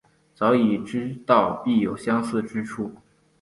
早已知道必有相似之处